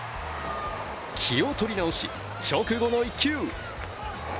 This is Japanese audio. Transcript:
気を取り直し、直後の一球。